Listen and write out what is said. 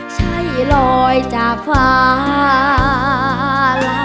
ใช่ลอยจากฟ้าลา